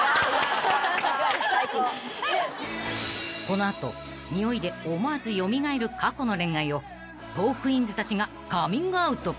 ［この後においで思わず蘇る過去の恋愛をトークィーンズたちがカミングアウト］